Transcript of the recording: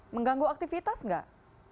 mengganggu aktivitas nggak